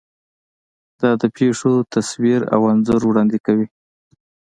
دا د پېښو تصویر او انځور وړاندې کوي.